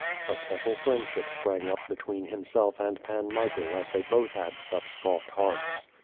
A special friendship sprang up between himself and Pan Michael as they both had such soft hearts.